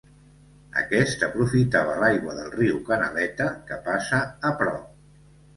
Aquest aprofitava l'aigua del riu Canaleta, que passa a prop.